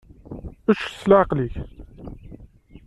Ečč s leɛqel-ik.